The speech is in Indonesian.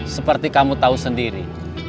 seperti kamu tau sendiri